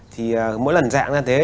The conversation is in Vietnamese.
thì mỗi lần dạng ra thế